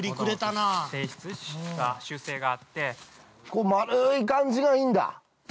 こう丸い感じがいいんだ